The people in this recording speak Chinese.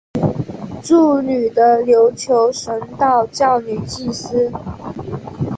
祝女的琉球神道教女祭司。